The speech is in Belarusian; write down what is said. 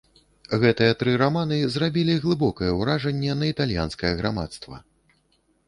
Гэтыя тры раманы зрабілі глыбокае ўражанне на італьянскае грамадства.